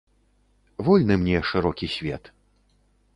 Вольны мне шырокі свет.